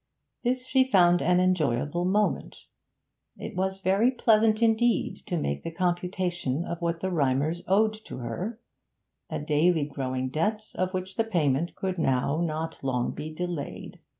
This she found an enjoyable moment; it was very pleasant indeed to make the computation of what the Rymers owed to her, a daily growing debt of which the payment could not now be long delayed.